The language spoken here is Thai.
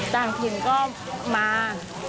ต่างถิ่นก็มา